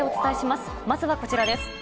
まずはこちらです。